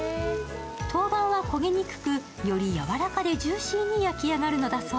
陶板は焦げにくくより柔らかでジューシーに焼き上がるのだそう。